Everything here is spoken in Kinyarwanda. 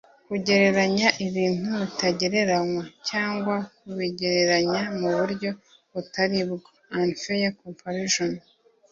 Kugereranya ibintu bitagereranywa cyangwa kubigereranya mu buryo butari bwo (unfair comparison)